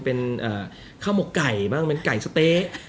เป็นข้าวหมกไก่บ้างเป็นไก่สะเต๊ะ